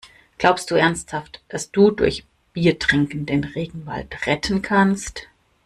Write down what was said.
Glaubst du ernsthaft, dass du durch Biertrinken den Regenwald retten kannst?